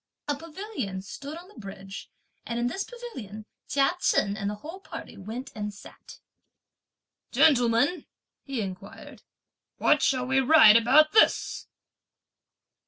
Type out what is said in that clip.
A pavilion stood on the bridge, and in this pavilion Chia Chen and the whole party went and sat. "Gentlemen," he inquired, "what shall we write about this?"